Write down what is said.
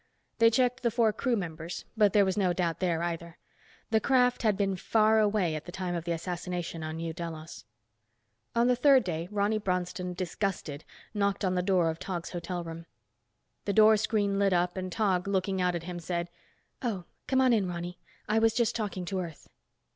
They checked the four crew members, but there was no doubt there, either. The craft had been far away at the time of the assassination on New Delos. On the third day, Ronny Bronston, disgusted, knocked on the door of Tog's hotel room. The door screen lit up and Tog, looking out at him said, "Oh, come on in, Ronny, I was just talking to Earth."